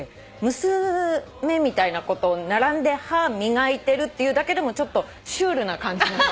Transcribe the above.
娘みたいな子と並んで歯磨いてるっていうだけでもシュールな感じだった。